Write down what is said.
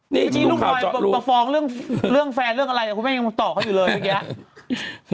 บางทีลูกหน่อยประฟองเรื่องแฟนเรื่องอะไรแต่คุณแม่ยังต่อเขาอยู่เลยเมื่อกี้